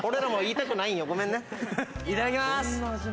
いただきます。